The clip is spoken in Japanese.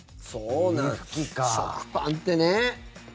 食パンってね、すぐ。